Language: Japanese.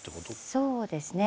そうですね。